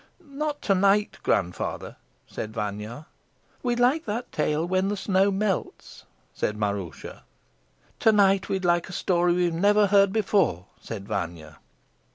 "Not to night, grandfather," said Vanya. "We'd like that tale when the snow melts," said Maroosia. "To night we'd like a story we've never heard before," said Vanya.